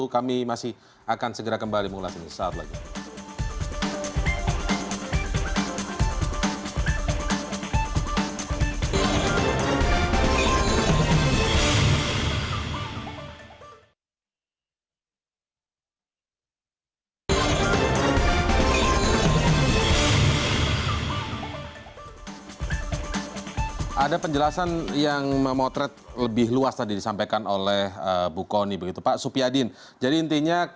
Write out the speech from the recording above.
kami masih akan segera kembali mengulas ini